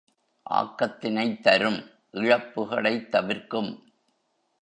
ஆக்கத்தினைத் தரும் இழப்புக்களைத் தவிர்க்கும்.